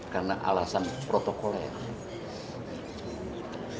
karena alasan protokolnya